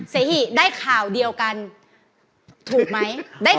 เสหิได้ข่าวเดียวกันถูกไหม